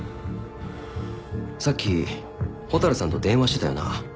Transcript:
さっき蛍さんと電話してたよな？